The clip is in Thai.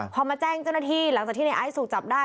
พอมาแจ้งเจ้าหน้าที่หลังจากที่ในไอซ์ถูกจับได้